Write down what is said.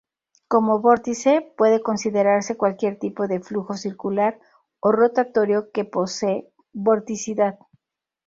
Como vórtice puede considerarse cualquier tipo de flujo circular o rotatorio que posee vorticidad.